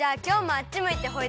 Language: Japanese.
あっちむいてホイ！